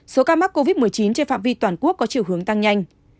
số ca mắc covid một mươi chín trên phạm vi toàn quốc có chiều hướng tăng nhanh